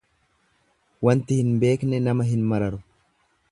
Wanti hin beekne nama hin mararu.